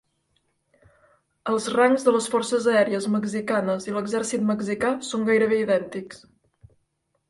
Els rangs de les Forces Aèries Mexicanes i l'Exèrcit Mexicà són gairebé idèntics.